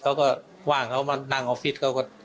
เขาก็ว่างเขามานั่งออฟฟิศเพราะว่า